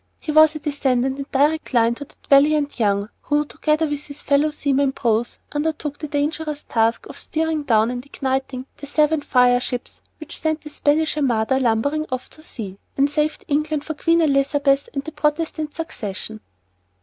He was a descendant in direct line of that valiant Young who, together with his fellow seaman Prowse, undertook the dangerous task of steering down and igniting the seven fire ships which sent the Spanish armada "lumbering off" to sea, and saved England for Queen Elizabeth and the Protestant succession.